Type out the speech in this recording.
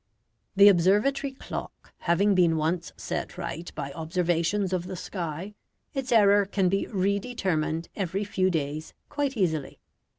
The observatory clock having been once set right by observations of the sky, its error can be re determined every few days quite easily.